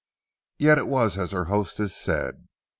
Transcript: Yet it was as her hostess said.